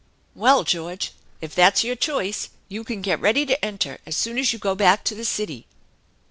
" Well, George, if that's your choice you can get ready to enter as soon as you go back to the city."